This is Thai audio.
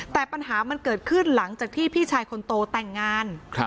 แต่ปัญหามันเกิดขึ้นหลังจากที่พี่ชายคนโตแต่งงาน